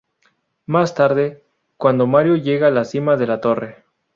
Más tarde, cuando Mario llega a la cima de la torre.